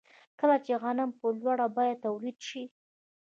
کله چې غنم په لوړه بیه تولید شي